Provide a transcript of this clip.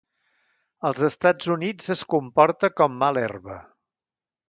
Als Estats Units es comporta com mala herba.